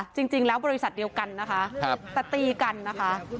จริงแล้วบริษัทเดียวกันนะคะแต่ตีกันนะคะ